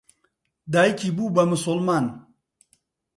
دایکی بوو بە موسڵمان.